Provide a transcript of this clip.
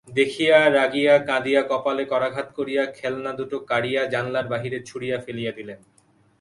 দেখিয়া, রাগিয়া কাঁদিয়া কপালে করাঘাত করিয়া খেলনাদুটো কাড়িয়া জানলার বাহিরে ছুঁড়িয়া ফেলিয়া দিলেন।